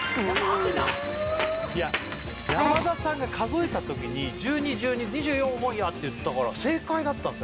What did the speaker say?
山田さんが数えた時に「１２１２２４本や」って言ったから正解だったんですよ